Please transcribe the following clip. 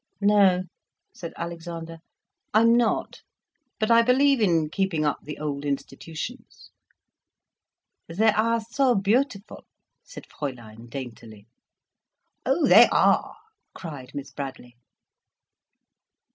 "No," said Alexander. "I'm not. But I believe in keeping up the old institutions." "They are so beautiful," said Fräulein daintily. "Oh, they are," cried Miss Bradley.